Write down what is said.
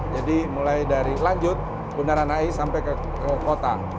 jadi mulai dari lanjut bunda ranai sampai ke kota